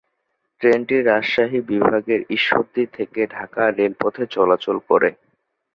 ট্রেনটি রাজশাহী বিভাগের ঈশ্বরদী থেকে ঢাকা রেলপথে চলাচল করে।